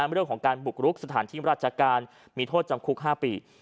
เรื่องของการบุกรุกสถานที่ราชการมีโทษจำคุก๕ปี